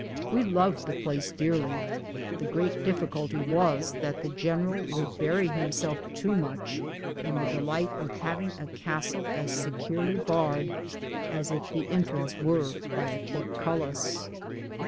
We loved the place dearly. ThQ great difficulty was that the general would bury himself too much, in the delight of having a castle as securely barred as if the entrance were by a portcullis.